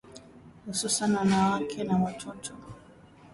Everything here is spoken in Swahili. hususan wanawake na watoto